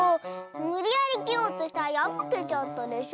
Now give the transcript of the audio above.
むりやりきようとしたらやぶけちゃったでしょ！